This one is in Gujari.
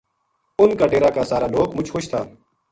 اُنھ کا ڈیرا کا سارا لوک مُچ خوش تھا